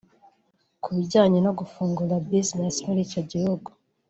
Ku bijyanye no gufungura bizinesi muri icyo gihugu